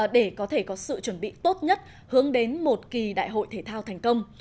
để có thể có sự chuẩn bị tốt nhất hướng đến một kỳ đại hội thể thao thành công